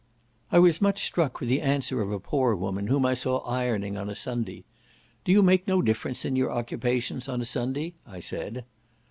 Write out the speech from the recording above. I was much struck with the answer of a poor woman, whom I saw ironing on a Sunday. "Do you make no difference in your occupations on a Sunday?" I said.